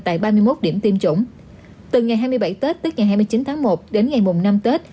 tại ba mươi một điểm tiêm chủng từ ngày hai mươi bảy tết tới ngày hai mươi chín tháng một đến ngày mùng năm tết